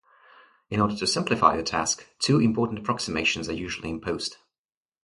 In order to simplify the task, two important approximations are usually imposed.